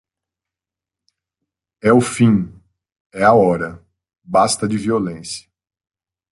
É o fim, é a hora, basta de violência